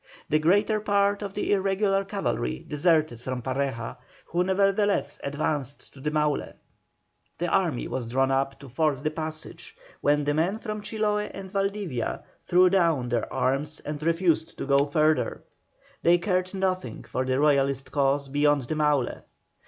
The greater part of the irregular cavalry deserted from Pareja, who nevertheless advanced to the Maule. The army was drawn up to force the passage, when the men from Chiloe and Valdivia threw down their arms and refused to go further; they cared nothing for the Royalist cause beyond the Maule.